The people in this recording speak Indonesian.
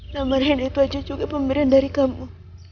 nama reny itu aja juga pemirian dari kamu